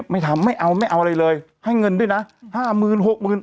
ไม่ทำไม่เอาไม่เอาอะไรเลยให้เงินด้วยนะห้าหมื่นหกหมื่น